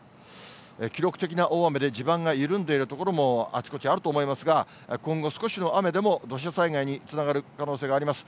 記録的な大雨で、地盤が緩んでいる所もあちこちあると思いますが、今後、少しの雨でも土砂災害につながる可能性があります。